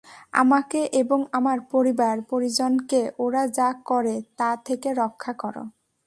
আমাকে এবং আমার পরিবার-পরিজনকে, ওরা যা করে তা থেকে রক্ষা কর।